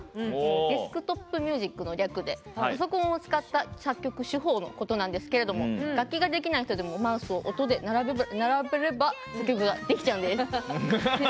デスクトップミュージックの略でパソコンを使った作曲手法のことなんですが作曲ができない人もマウスで音を並べれば作曲ができちゃうんです。